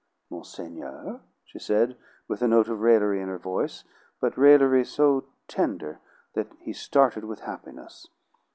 "Monseigneur!" she said, with a note of raillery in her voice, but raillery so tender that he started with happiness.